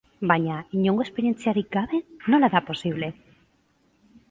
Baina, inongo esperientziarik gabe, nola da posible?